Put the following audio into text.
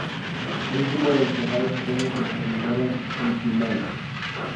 A este tipo de desplazados internos se les denominaba "mitimaes".